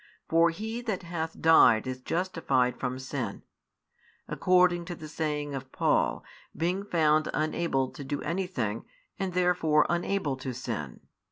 For he that hath died is justified from sin, according to the saying of Paul, being found unable to do anything, and therefore unable to sin.